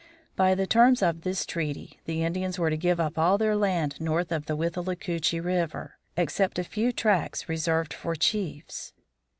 By the terms of this treaty the Indians were to give up all their land north of the Withlacoochee River, except a few tracts reserved for chiefs.